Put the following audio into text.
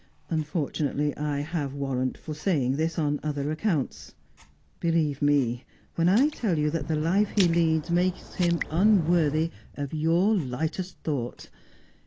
Unfortunately I have warrant for saying this, on other accounts. Believe me when I tell you that the life he leads makes him unworthy of your lightest thought.